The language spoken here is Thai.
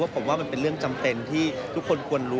ผมว่ามันเป็นเรื่องจำเป็นที่ทุกคนควรรู้